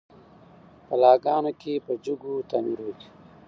قلاګانو کي په جګو تعمیرو کي